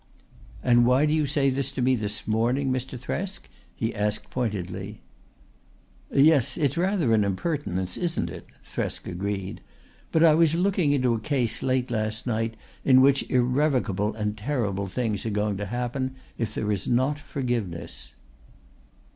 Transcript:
"And why do you say this to me this morning, Mr. Thresk?" he asked pointedly. "Yes, it's rather an impertinence, isn't it?" Thresk agreed. "But I was looking into a case late last night in which irrevocable and terrible things are going to happen if there is not forgiveness."